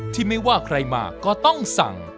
ที่ไม่ว่าใครมาก็ต้องสั่ง